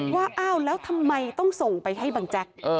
ว่าอ้าวแล้วทำไมต้องส่งไปให้บังแจ๊ก